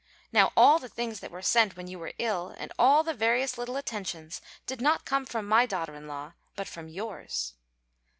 Now, all the things that were sent when you were ill, and all the various little attentions, did not come from my daughter in law but from yours."